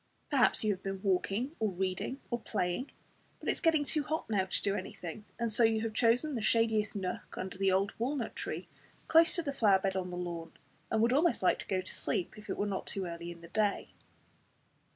Perhaps you have been walking, or reading, or playing, but it is getting too hot now to do anything; and so you have chosen the shadiest nook under the old walnut tree, close to the flower bed on the lawn, and would almost like to go to sleep if it were not too early in the day.